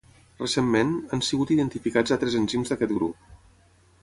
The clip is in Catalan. Recentment, han sigut identificats altres enzims d’aquest grup.